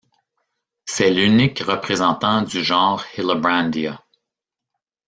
C'est l'unique représentant du genre Hillebrandia.